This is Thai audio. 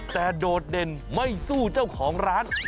แต่โดดเด่นไม่สู้เจ้าของร้าน